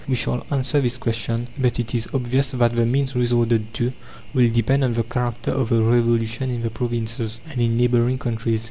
We shall answer this question, but it is obvious that the means resorted to will depend on the character of the Revolution in the provinces, and in neighbouring countries.